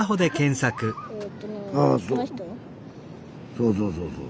そうそうそうそう。